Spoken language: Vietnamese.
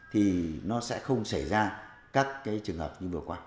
thì nó sẽ không xảy ra các cái trường hợp như vừa qua